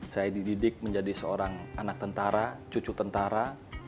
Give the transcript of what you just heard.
saya dididik menjadi seorang anak tentara cucu tentara